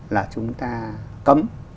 là chúng ta cấm